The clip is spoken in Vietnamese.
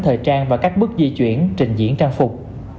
thời trang và các bước di chuyển trình diễn trang phục